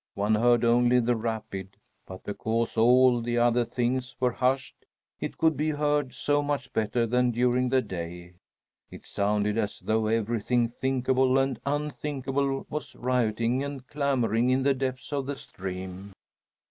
One heard only the rapid; but because all the other things were hushed, it could be heard so much better than during the day. It sounded as though everything thinkable and unthinkable was rioting and clamoring in the depths of the stream.